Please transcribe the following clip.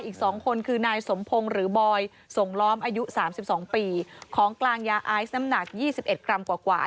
อีก๒คนคือนายสมพงศ์หรือบอยส่งล้อมอายุ๓๒ปีของกลางยาไอซ์น้ำหนัก๒๑กรัมกว่า